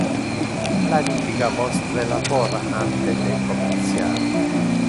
Planifica vostre labor ante de comenciar.